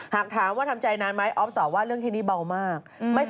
หากถามว่าทำใจนานไหมออฟตอบว่าเรื่องที่นี่เบามาก